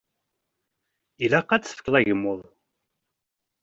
Llaq ad d-tefkeḍ agmuḍ.